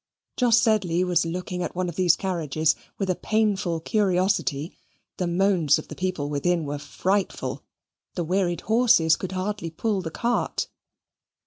Jos Sedley was looking at one of these carriages with a painful curiosity the moans of the people within were frightful the wearied horses could hardly pull the cart.